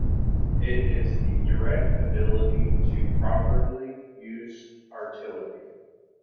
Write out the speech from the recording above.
It is the direct ability to properly use artillery.